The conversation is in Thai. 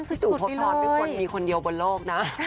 พี่ตู่พบทรเป็นคนมีคนเดียวบนโลกนะ